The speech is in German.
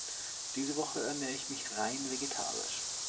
Diese Woche ernähre ich mich rein vegetarisch.